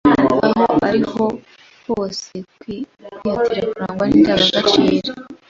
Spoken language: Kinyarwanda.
aho ari hose, kwihatira kurangwa n’izi ndangagaciro